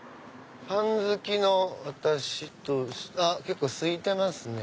パン好きの私としてはあっ結構空いてますね。